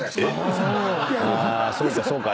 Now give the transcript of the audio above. あそうかそうか。